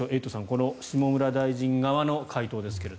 この下村大臣側の回答ですが。